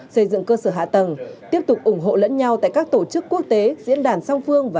xây dựng cơ sở hạ tầng tiếp tục ủng hộ lẫn nhau tại các tổ chức quốc tế diễn đàn song phương và